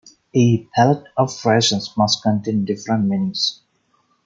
A pallet of rations must contain different menus.